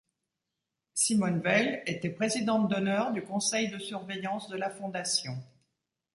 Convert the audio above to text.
Simone Veil était Présidente d'Honneur du Conseil de Surveillance de la Fondation.